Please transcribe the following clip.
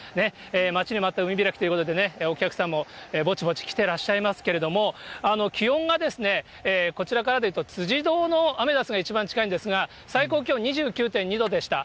待ちに待った海開きということでね、お客さんもぼちぼち来てらっしゃいますけれども、気温がこちらからで言うと辻堂のアメダスが一番近いんですが、最高気温２９．２度でした。